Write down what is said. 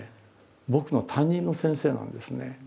僕の担任の先生がですね